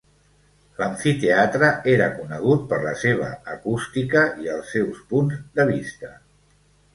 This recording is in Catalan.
L'amfiteatre era conegut per la seva acústica i els seus punts de vista.